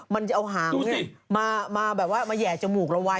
มันจะเอาหางเนี่ยมาแบบว่าแหย่จมูกเราไว้